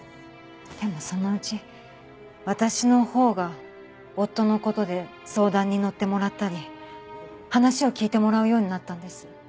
でもそのうち私のほうが夫の事で相談に乗ってもらったり話を聞いてもらうようになったんです。